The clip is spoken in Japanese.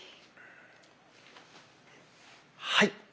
はい！